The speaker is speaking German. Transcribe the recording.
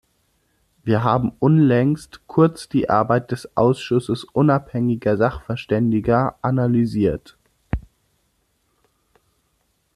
Wir haben unlängst kurz die Arbeit des Ausschusses Unabhängiger Sachverständiger analysiert.